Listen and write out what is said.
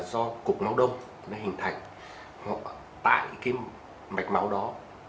do cục máu đông nó hình thành hoặc tại cái mạch máu đó